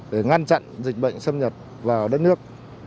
để ngăn chặn dịch bệnh xâm nhập vào đất nước